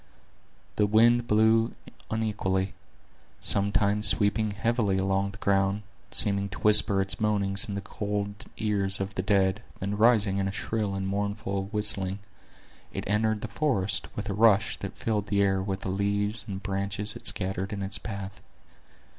The wind blew unequally; sometimes sweeping heavily along the ground, seeming to whisper its moanings in the cold ears of the dead, then rising in a shrill and mournful whistling, it entered the forest with a rush that filled the air with the leaves and branches it scattered in its path.